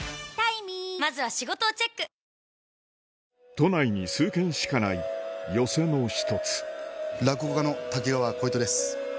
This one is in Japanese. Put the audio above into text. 都内に数軒しかない寄席の一つ落語家の瀧川鯉斗です。